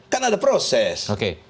kan ada proses